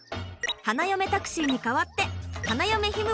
花嫁タクシーに代わって花嫁ひむ